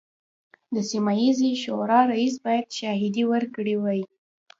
د سیمه ییزې شورا رئیس باید شاهدې ورکړي وای.